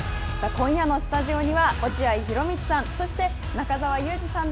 今夜のスタジオには落合博満さん。